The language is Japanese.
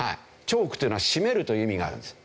チョークというのは絞めるという意味があるんです。